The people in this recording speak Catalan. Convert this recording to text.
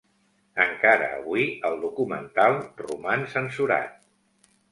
Encara avui, el documental roman censurat.